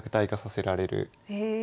へえ。